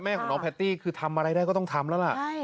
แม่ของน้องแพตตี้คือทำอะไรได้ก็ต้องทำแล้วล่ะ